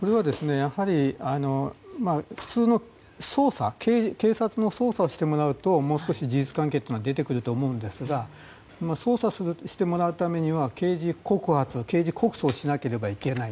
やはり普通の警察の捜査をしてもらうともう少し事実関係というのが出てくると思うんですが捜査してもらうためには刑事告発、刑事告訴をしなければならない。